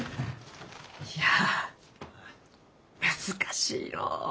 いや難しいのう。